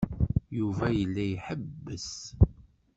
Yuba yella iḥebbes.